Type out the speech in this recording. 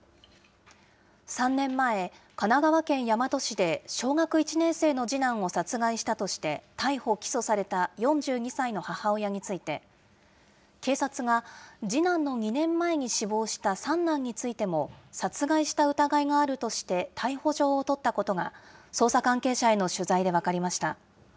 ３年前、神奈川県大和市で、小学１年生の次男を殺害したとして、逮捕・起訴された４２歳の母親について、警察が、次男の２年前に死亡した三男についても、殺害した疑いがあるとして、逮捕状を取ったことが、捜査関係者への取材で分かりました。